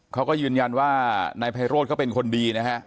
เขาก็ยืนยันว่านายไพโรธเขาเป็นคนดีนะฮะ